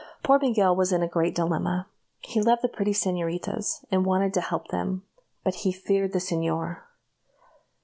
Poor old Miguel was in a great dilemma. He loved the pretty señoritas, and wanted to help them; but he feared the señor.